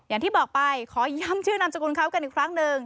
อย่างที่บอกไปขอย้ำชื่อนามสกุลเขากันอีกครั้งหนึ่ง